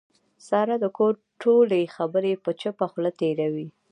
ساره د کور ټولې خبرې په چوپه خوله تېروي.